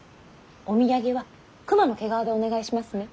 お土産は熊の毛皮でお願いしますね。